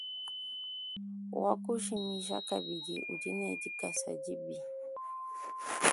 Wakujimija kabidi udi ne dikasa dibi.